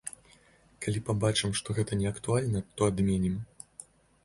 Калі пабачым, што гэта неактуальна, то адменім.